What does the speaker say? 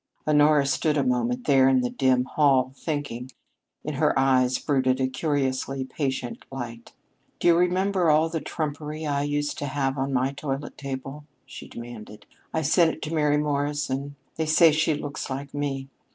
Honora stood a moment there in the dim hall, thinking. In her eyes brooded a curiously patient light. "Do you remember all the trumpery I used to have on my toilet table?" she demanded. "I sent it to Mary Morrison. They say she looks like me."